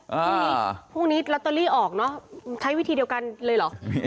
ทีนี้พรุ่งนี้ลอตเตอรี่ออกเนอะใช้วิธีเดียวกันเลยเหรอ